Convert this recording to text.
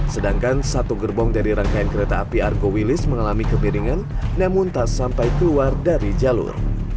sedangkan satu gerbong dari rangkaian kereta api argo wilis mengalami kepiringan namun tak sampai keluar dari jalur